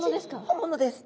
本物です。